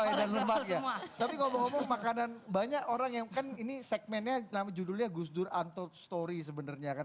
tapi ngomong ngomong makanan banyak orang yang kan ini segmennya judulnya gus dur untold story sebenarnya kan